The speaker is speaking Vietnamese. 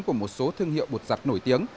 của một số thương hiệu bột giặt nổi tiếng